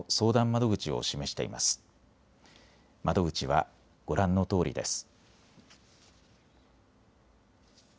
窓口はご覧のとおりです。